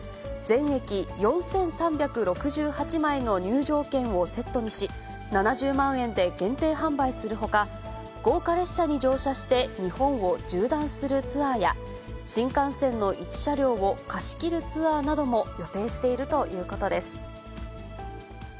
全駅４３６８枚の入場券をセットにし、７０万円で限定販売するほか、豪華列車に乗車して、日本を縦断するツアーや、新幹線の１車両を貸し切るツアーなども予定しているということです。